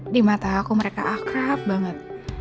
di mata aku mereka akrab banget